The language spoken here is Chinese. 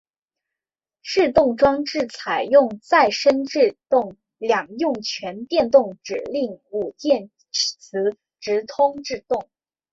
制动装置采用再生制动两用全电气指令式电磁直通制动。